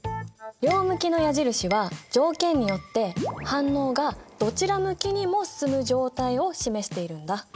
両向きの矢印は条件によって反応がどちら向きにも進む状態を示しているんだ。